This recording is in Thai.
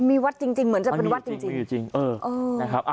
มีวัดจริงเหมือนจะเป็นวัดจริง